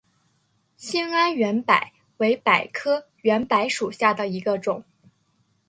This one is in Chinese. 兴安圆柏为柏科圆柏属下的一个种。